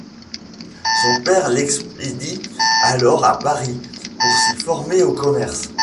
Son père l’expédie alors à Paris pour s’y former au commerce.